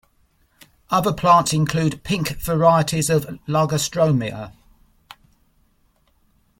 Other plants include pink varieties of Lagerstroemia.